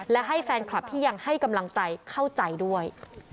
และให้แฟนคลับที่ยังให้กำลังใจเข้าใจด้วย